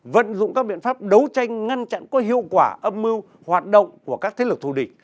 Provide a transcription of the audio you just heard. vận dụng các biện pháp đấu tranh ngăn chặn có hiệu quả âm mưu hoạt động của các thế lực thù địch